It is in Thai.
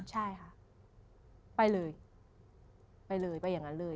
ใช่ค่ะไปเลยไปเลยไปอย่างนั้นเลย